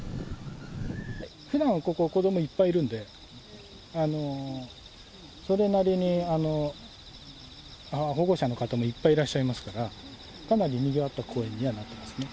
ふだん、ここは子どもいっぱいいるんで、それなりに保護者の方もいっぱいいらっしゃいますから、かなりにぎわった公園にはなってますね。